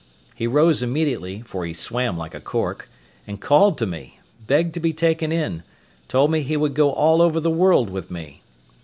He rose immediately, for he swam like a cork, and called to me, begged to be taken in, told me he would go all over the world with me.